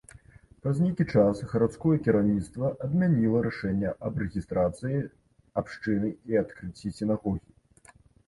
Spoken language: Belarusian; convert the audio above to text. Праз нейкі час гарадское кіраўніцтва адмяніла рашэнне аб рэгістрацыі абшчыны і адкрыцці сінагогі.